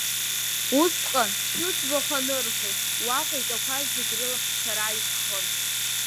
Усҟан, шәыӡбахә анырҳәоз, уаҟа итәақәаз зегьы рылаԥш сара исхын.